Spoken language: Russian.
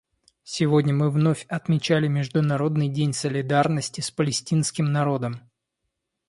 Сегодня мы вновь отмечали Международный день солидарности с палестинским народом.